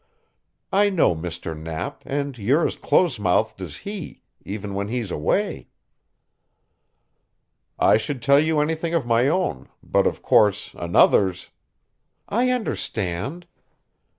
I know Mr. Knapp, and you're as close mouthed as he, even when he's away." "I should tell you anything of my own, but, of course, another's " "I understand."